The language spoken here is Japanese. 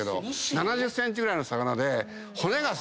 ７０ｃｍぐらいの魚で。